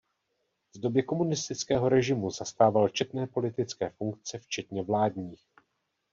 V době komunistického režimu zastával četné politické funkce včetně vládních.